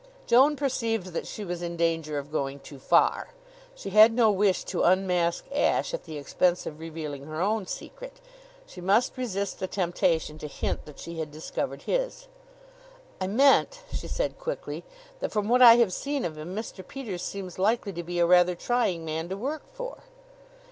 Joan perceived that she was in danger of going too far. She had no wish to unmask Ashe at the expense of revealing her own secret. She must resist the temptation to hint that she had discovered his. "I meant," she said quickly, "that from what I have seen of him Mr. Peters seems likely to be a rather trying man to work for."